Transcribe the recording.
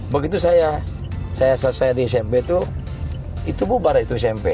begitu saya selesai di smp itu itu bu barat itu smp